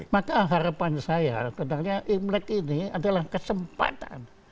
maka harapan saya sebenarnya imlek ini adalah kesempatan